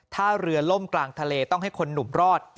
ถ้าเรือล่มกลางทะเลต้องให้คนหนุ่มรอด